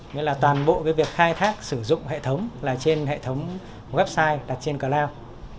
nghĩa là toàn bộ cái việc khai thác sử dụng hệ thống là trên hệ thống website đặt trên cloud